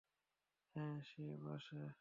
হ্যাঁ সে বাসে।